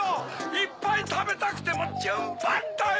いっぱいたべたくてもじゅんばんだよ！